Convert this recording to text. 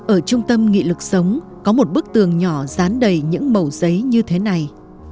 ở trung tâm nghị lực sống có một bức tường nhỏ dán đầy những màu giấy như thế này